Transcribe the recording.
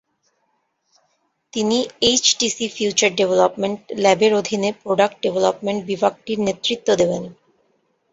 তিনি HTC future development ল্যাবের অধীনে প্রোডাক্ট ডেভেলপমেন্ট বিভাগটির নেতৃত্ব দেবেন।